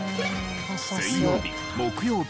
水曜日木曜日